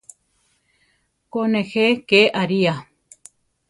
Ko, nejé ké aria!